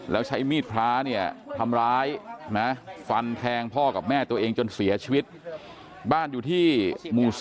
แล้วใช้มีดพระเนี่ยทำร้ายนะฟันแทงพ่อกับแม่ตัวเองจนเสียชีวิตบ้านอยู่ที่หมู่๔